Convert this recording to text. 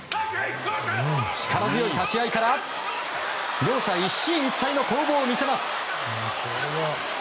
力強い立ち合いから両者一進一退の攻防を見せます。